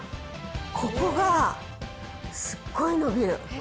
ここが、すっごい伸びる。